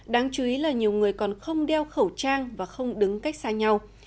đáng chú ý là nhiều người còn không đeo khẩu trang và không đứng cách xa nhau